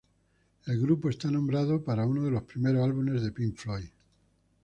El grupo es nombrado para uno de los primeros álbumes de Pink Floyd.